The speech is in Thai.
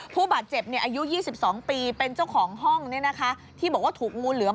ผู้บาดเจ็บอายุ๒๒ปีเป็นเจ้าของห้องที่บอกว่าถูกงูเหลือม